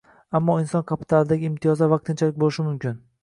Ammo inson kapitalidagi imtiyozlar vaqtinchalik bo'lishi mumkin